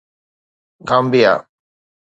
گامبيا